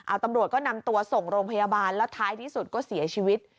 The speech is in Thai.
เอาตำรวจก็นำตัวส่งโรงพยาบาลแล้วท้ายที่สุดก็เสียชีวิต